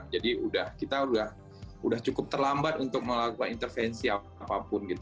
jadi kita sudah cukup terlambat untuk melakukan intervensi apapun